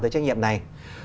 tới trách nhiệm này